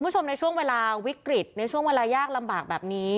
คุณผู้ชมในช่วงเวลาวิกฤตในช่วงเวลายากลำบากแบบนี้